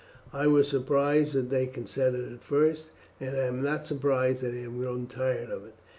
I was surprised that they consented at first, and I am not surprised that they have grown tired of it.